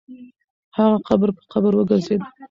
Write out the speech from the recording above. هغه قبر په قبر وګرځېد.